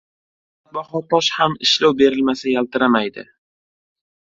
• Qimmatbaho tosh ham ishlov berilmasa yaltiramaydi.